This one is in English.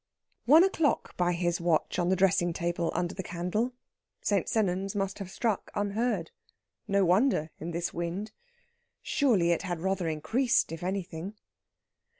One o'clock by his watch on the dressing table under the candle. St. Sennans must have struck unheard. No wonder in this wind! Surely it had rather increased, if anything.